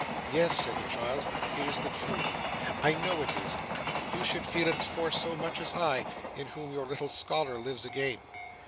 'Yes,' said the child, 'it is the truth; I know it is. Who should feel its force so much as I, in whom your little scholar lives again!